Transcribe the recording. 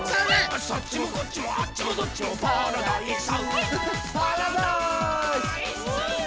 「そっちもこっちもあっちもどっちもパラダイス」「パラダイース」